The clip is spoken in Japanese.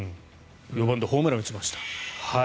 ４番でホームランを打ちました